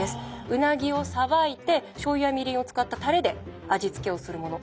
うなぎをさばいてしょうゆやみりんを使ったタレで味付けをするもの